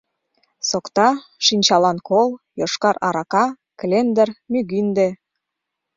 — Сокта, шинчалан кол, йошкар арака, клендыр, мӱгинде...